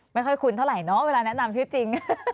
ไม่ค่อยคุ้นเท่าไหร่เนาะเวลาแนะนำชื่อจริง